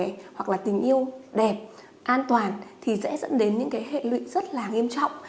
trẻ hoặc là tình yêu đẹp an toàn thì sẽ dẫn đến những hệ lụy rất nghiêm trọng